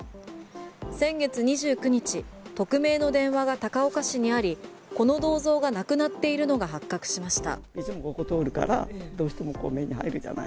先月２９日匿名の電話が高岡市にありこの銅像がなくなっているのが発覚しました。